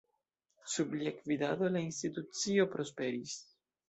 Sub lia gvidado la institucio prosperis.